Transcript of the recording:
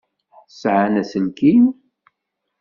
Sεan aselkim?